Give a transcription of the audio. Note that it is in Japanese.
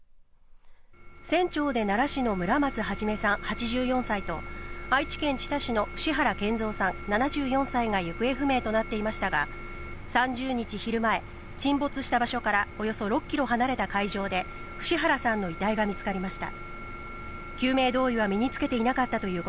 船長で奈良市の村松孟さん、８４歳と愛知県知多市の伏原賢三さん、７４歳が行方不明となっていましたが３０日昼前、沈没した場所からおよそ６ｋｍ離れた海上で伏原さんの遺体が見つかりました。